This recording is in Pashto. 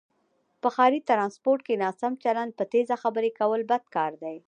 په ښاری ټرانسپورټ کې ناسم چلند، په تیزه خبرې کول بد کاردی